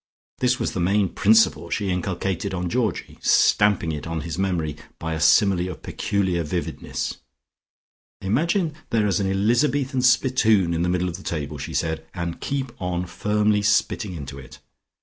This was the main principle she inculcated on Georgie, stamping it on his memory by a simile of peculiar vividness. "Imagine there is an Elizabethan spittoon in the middle of the table," she said, "and keep on firmly spitting into it.